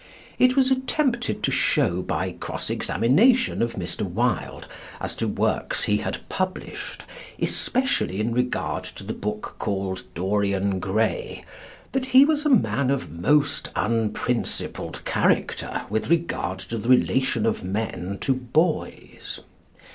It was attempted to show by cross examination of Mr. Wilde, as to works he had published, especially in regard to the book called "Dorian Gray," that he was a man of most unprincipled character with regard to the relation of men to boys.